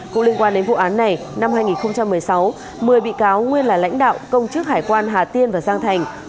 cũng liên quan đến vụ án này năm hai nghìn một mươi sáu một mươi bị cáo nguyên là lãnh đạo công chức hải quan hà tiên và giang thành